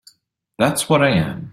That's what I am.